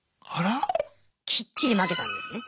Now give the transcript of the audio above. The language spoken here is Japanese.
きっちり負けたんですね。